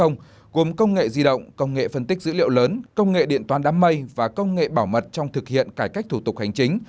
gồm công nghệ di động công nghệ phân tích dữ liệu lớn công nghệ điện toán đám mây và công nghệ bảo mật trong thực hiện cải cách thủ tục hành chính